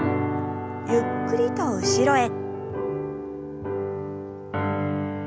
ゆっくりと後ろへ。